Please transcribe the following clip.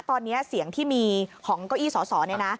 ตอนนี้เสียงที่มีของเก้าอี้สอสอเนี่ยนะ